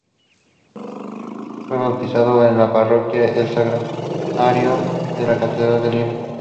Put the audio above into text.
Fue bautizado en la Parroquia El Sagrario de la Catedral de Lima.